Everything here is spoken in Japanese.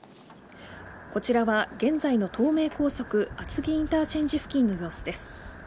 こちらは現在の東名高速厚木インターチェンジ付近の様子です。